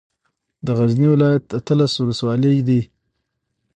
د غزني ولايت اتلس ولسوالۍ دي